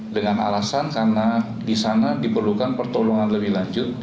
dengan alasan karena di sana diperlukan pertolongan lebih lanjut